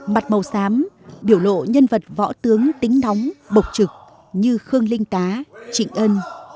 mặt màu xám biểu lộ nhân vật võ tướng tính nóng bộc trực như khương linh cá trịnh ân